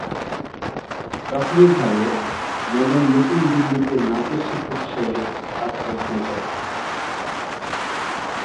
প্রাথমিকভাবে, মদন নতুন দিল্লিতে নাচের শিক্ষক হিসেবে কাজ করা শুরু করেন।